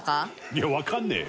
いやわかんねえよ！